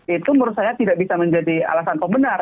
itu menurut saya tidak bisa menjadi alasan pembenar